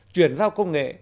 chuyển giao công nghệ